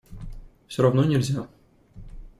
Все равно нельзя.